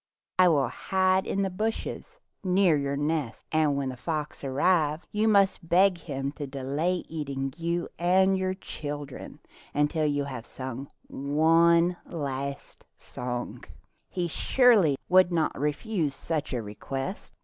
I will hide in the bushes near your nest, and when the 117 Fairy Tale Foxes fox arrives/you must beg him to delay eating you and your children until you have sung one last song. He surely will not refuse such a request.